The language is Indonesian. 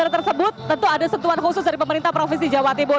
hal tersebut tentu ada sentuhan khusus dari pemerintah provinsi jawa timur